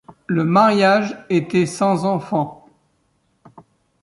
Le mariage était sans enfant.